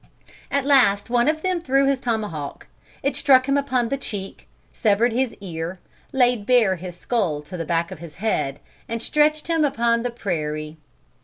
"At last one of them threw his tomahawk. It struck him upon the cheek, severed his ear, laid bare his skull to the back of his head, and stretched him upon the prairie.